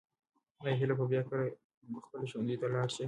آیا هیله به بیا کله خپل ښوونځي ته لاړه شي؟